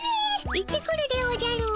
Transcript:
行ってくるでおじゃる。